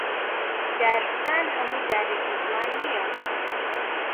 دارستان هەموو دارێکی جوان نییە